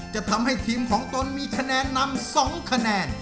จะทำให้ทีมของตนมีคะแนนนำ๒คะแนน